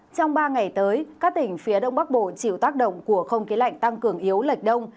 trong ba ngày tới các tỉnh phía đông bắc bộ chịu tác động của không khí lạnh tăng cường yếu lệch đông